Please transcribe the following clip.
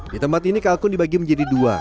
di tempat ini kalkun dibagi menjadi dua